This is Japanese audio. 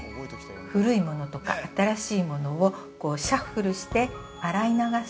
古いものとか新しいものをシャッフルして、洗い流す。